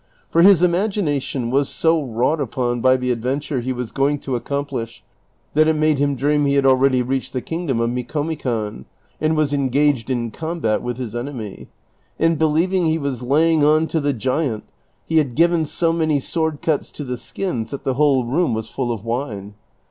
For his imagination was so wrought upon by the adventure he was going to accomplish, that it made him dream he had al ready reached the kingdom of Micomicon, and was engaged in, combat with his enemy ; and believing he was laying on to the giant, he had given so many sword cuts to the skins that the whole room was full of wine.